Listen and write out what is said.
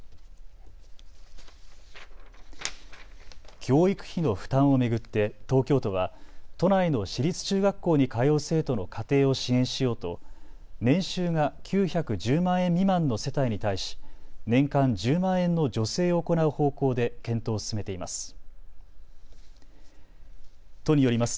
教育費の負担を巡って東京都は都内の私立中学校に通う生徒の家庭を支援しようと年収が９１０万円未満の世帯に対し年間１０万円の助成を行う方向で検討を進めています。